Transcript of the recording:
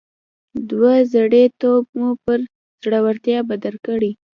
دوه زړي توب مو پر زړورتيا بدل کړئ.